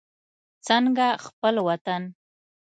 څنګه خپل وطن.